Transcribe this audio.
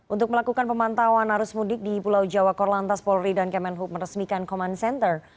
untuk melakukan pemantauan arus mudik di pulau jawa korlantas polri dan kemenhub meresmikan command center